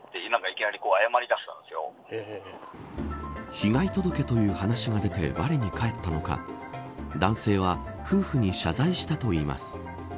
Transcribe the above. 被害届という話が出てわれに返ったのか男性は夫婦に謝罪したといいます。